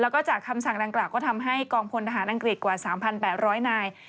แล้วก็จากคำสั่งดังกล่าก็ทำให้กองพลทหารอังกฤษกว่า๓๘๐๐นาย